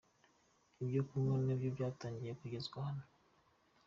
Ibyo kunywa nabyo byatangiye kugezwa hano.